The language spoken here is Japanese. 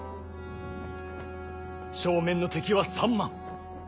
正面の敵は３万。